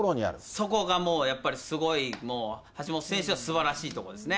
そこがもうやっぱり、すごい、もう橋本選手はすばらしいところですね。